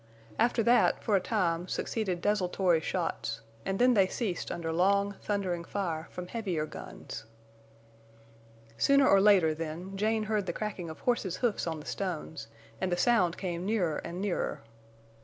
After that, for a time, succeeded desultory shots; and then they ceased under long, thundering fire from heavier guns. Sooner or later, then, Jane heard the cracking of horses' hoofs on the stones, and the sound came nearer and nearer.